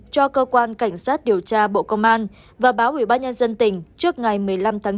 cho cơ quan cảnh sát điều tra bộ công an và báo ủy ban nhân dân tỉnh trước ngày một mươi năm tháng chín